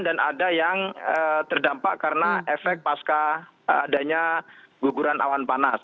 dan ada yang terdampak karena efek pasca adanya guguran awan panas